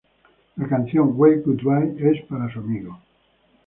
La canción "Wave Goodbye" es para su amigo.